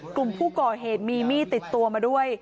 กลุ่มผู้ก่อเหตุมีมีดติดตัวมาด้วย